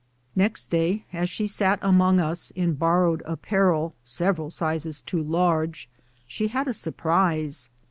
Next day, as she sat among us in borrowed apparel, several sizes too large, she had a sur prise.